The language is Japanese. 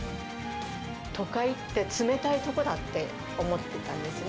都会って冷たいとこだって思ってたんですね。